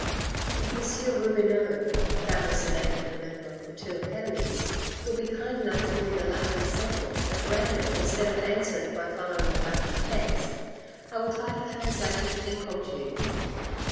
" If M. Rubigneau," that was the name of the member of the two Academies, " will be kind enough to read a Latin sentence at random instead of answering by following the Latin text, I will try to translate it impromptu."